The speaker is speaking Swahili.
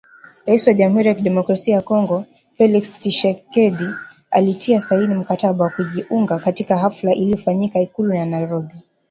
Rais wa Jamhuri ya Kidemokrasi ya Kongo Felix Tshisekedi, alitia saini mkataba wa kujiunga katika hafla iliyofanyika Ikulu ya Nairobi.